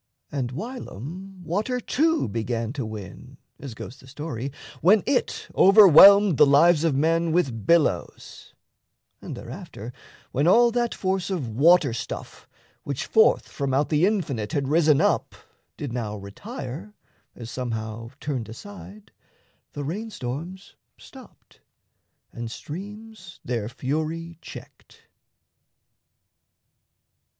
And whilom water too began to win As goes the story when it overwhelmed The lives of men with billows; and thereafter, When all that force of water stuff which forth From out the infinite had risen up Did now retire, as somehow turned aside, The rain storms stopped, and streams their fury checked.